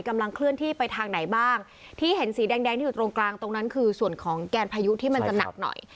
กำลังเคลื่อนที่ไปทางไหนบ้างที่เห็นสีแดงแดงที่อยู่ตรงกลางตรงนั้นคือส่วนของแกนพายุที่มันจะหนักหน่อย